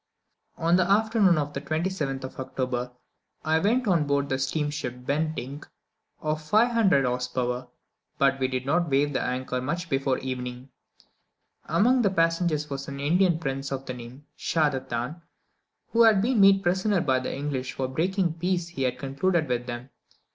On the afternoon of the 27th of October I went on board the steamship "Bentinck," of 500 horse power; but we did not weigh anchor much before evening. Among the passengers was an Indian prince of the name of Schadathan, who had been made prisoner by the English for breaking a peace he had concluded with them.